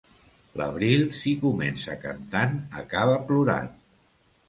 L'abril, si comença cantant, acaba plorant.